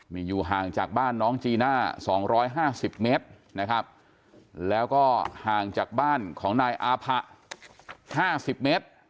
นี่อยู่ห่างจากบ้านน้องจีน่า๒๕๐เมตรนะครับแล้วก็ห่างจากบ้านของนายอาผะ๕๐เมตร